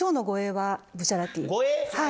はい。